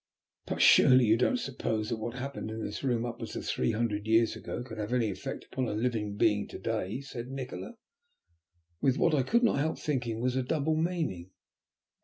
"But surely you don't suppose that what happened in this room upwards of three hundred years ago could have any effect upon a living being to day?" said Nikola, with what I could not help thinking was a double meaning.